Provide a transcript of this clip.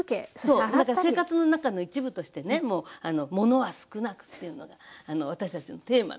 だから生活の中の一部としてねもうものは少なくっていうのがあの私たちのテーマ。